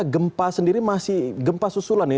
gempa sendiri masih gempa susulan ya